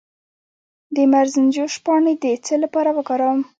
د مرزنجوش پاڼې د څه لپاره وکاروم؟